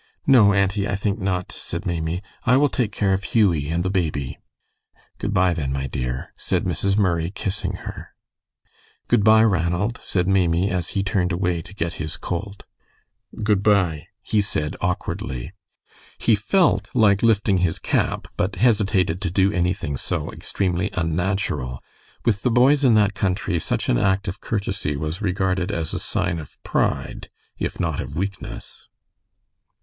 "No, auntie, I think not," said Maimie. "I will take care of Hughie and the baby." "Good by, then, my dear," said Mrs. Murray, kissing her. "Good by, Ranald," said Maimie, as he turned away to get his colt. "Good by," he said, awkwardly. He felt like lifting his cap, but hesitated to do anything so extremely unnatural. With the boys in that country such an act of courtesy was regarded as a sign of "pride," if not of weakness.